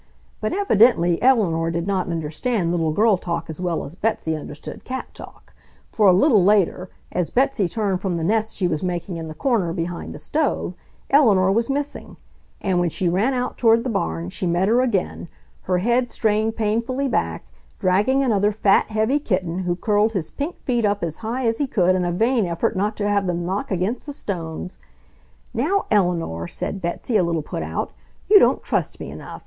But evidently Eleanor did not understand little girl talk as well as Betsy understood cat talk, for a little later, as Betsy turned from the nest she was making in the corner behind the stove, Eleanor was missing; and when she ran out toward the barn she met her again, her head strained painfully back, dragging another fat, heavy kitten, who curled his pink feet up as high as he could in a vain effort not to have them knock against the stones. "Now, Eleanor," said Betsy, a little put out, "you don't trust me enough!